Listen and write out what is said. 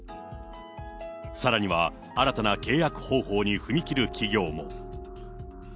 さらには新たな契約方法に踏み切る企業も。